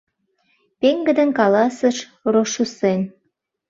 — пеҥгыдын каласыш Рошуссен.